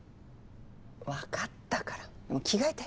わかったからもう着替えて。